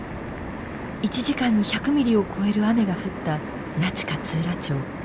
１時間に１００ミリを超える雨が降った那智勝浦町。